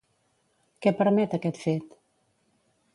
Què permet aquest fet?